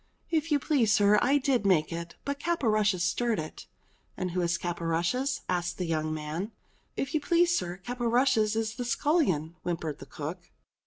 "If you please, sir, I did make it ; but Caporushes stirred it." "And who is Caporushes ?" asked the young man. "If you please, sir, Caporushes is the scullion," whimpered the cook.